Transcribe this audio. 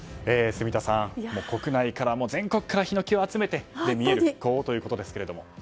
住田さん、国内から全国からヒノキを集めて見せる復興ということですけども。